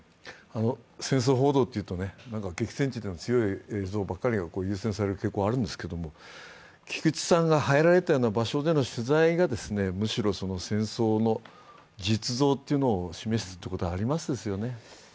戦争報道というと激戦地での強い映像ばかりが優先される傾向があるんですけれども、菊地さんが入られたような場所での取材がむしろ戦争の実像を示すということはありますよね。